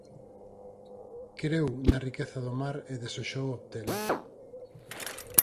Creu na riqueza do mar e desexou obtela.